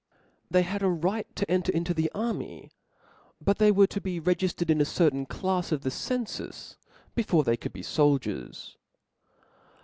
They had a right to enter into the army •, but they were to be regiftered in a cer tain clafs of the cenfus^ before they could be fol , diers.